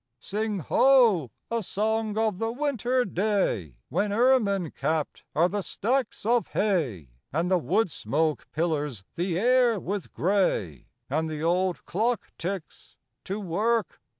Sing, Ho, a song of the winter day, When ermine capped are the stacks of hay, And the wood smoke pillars the air with gray, And the old clock ticks, "To work!